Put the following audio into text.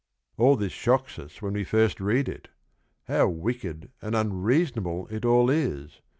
All this shocks us when we first read it. How wicked and unreasonable it all is